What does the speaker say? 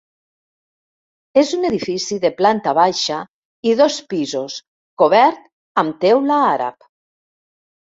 És un edifici de planta baixa i dos pisos cobert amb teula àrab.